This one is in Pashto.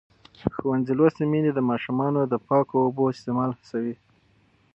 ښوونځې لوستې میندې د ماشومانو د پاکو اوبو استعمال هڅوي.